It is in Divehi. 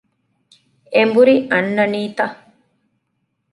އެނބުރި އަންނަނީތަ؟